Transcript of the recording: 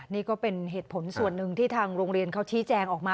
นี่ก็เป็นเหตุผลส่วนหนึ่งที่ทางโรงเรียนเขาชี้แจงออกมา